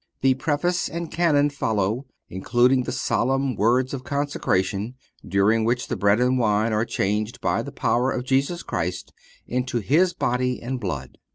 The Preface and Canon follow, including the solemn words of consecration, during which the bread and wine are changed by the power of Jesus Christ into His body and blood.